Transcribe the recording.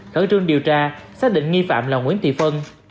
khẩn trương điều tra xác định nghi phạm là nguyễn thị phân